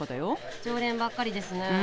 常連ばっかりですね。